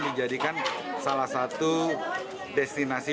dijadikan salah satu destinasi